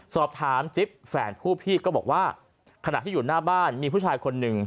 สอบถามจิ๊บแฝดผู้พี่ก็บอกว่าขณะที่อยู่หน้าบ้านมีผู้ชายคนหนึ่ง